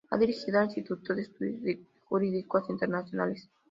Ha dirigido el Instituto de Estudios Jurídicos Internacionales.